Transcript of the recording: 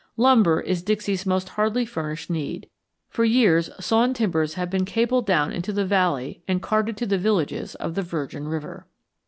Lumber is Dixie's most hardly furnished need. For years sawn timbers have been cabled down into the valley and carted to the villages of the Virgin River.